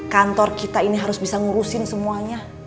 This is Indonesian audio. kantor kita ini harus bisa ngurusin semuanya